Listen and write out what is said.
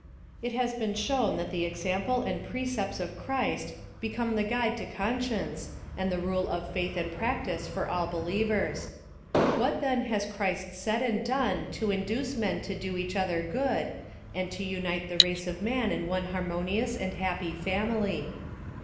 It has been shown that the example and pre cepts of Christ become the guide to conscience, and ihe rule of faith and practice for all believers. What then has (^hrist said and done to induce men to do each other good, and to unite the race of man in one harmonious and happy family?